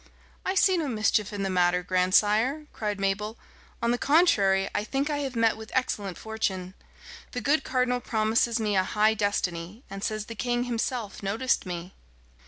"I see no mischief in the matter, grandsire," cried Mabel. "On the contrary, I think I have met with excellent fortune. The good cardinal promises me a high destiny, and says the king himself noticed me."